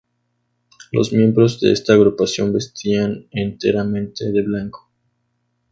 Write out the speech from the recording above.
Los miembros de esta agrupación vestían enteramente de blanco.